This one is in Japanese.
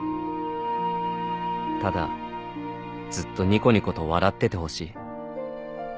ただずっとニコニコと笑っててほしい